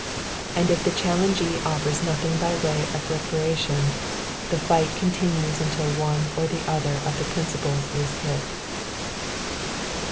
And if the challengee offers nothing by way of reparation, the fight continues until one or the other of the principals is hit.